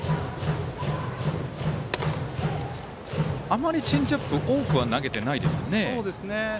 あまりチェンジアップ多くは投げてないですかね。